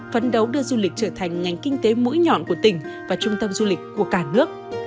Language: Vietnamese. phấn đấu đưa du lịch trở thành ngành kinh tế mũi nhọn của tỉnh và trung tâm du lịch của cả nước